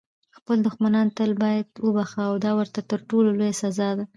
خپل دښمنان تل باید وبخښه، دا ورته تر ټولو لویه سزا ده.